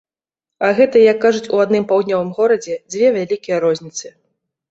А гэта, як кажуць у адным паўднёвым горадзе, дзве вялікія розніцы.